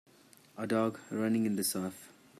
A dog running in the surf.